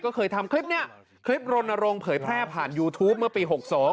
ก็เคยทำคลิปนี้คลิปรณรงค์เผยแพร่ผ่านยูทูปเมื่อปี๖๒